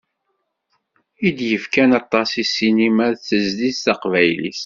I d-yefkan aṭas i ssinima d tezlit taqbaylit.